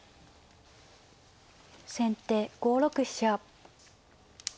先手５六飛車。